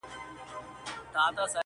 راسره جانانه -